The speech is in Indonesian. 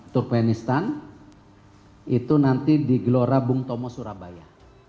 turkmenistan itu nanti di gelora bung tomo surabaya